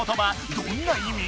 どんな意味？